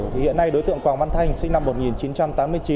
thì hiện nay đối tượng quảng văn thanh sinh năm một nghìn chín trăm tám mươi chín